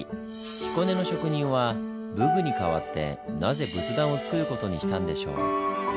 彦根の職人は武具に代わってなぜ仏壇を作る事にしたんでしょう？